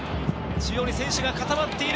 中央に選手が固まっている！